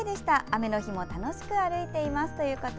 雨の日も楽しく歩いています。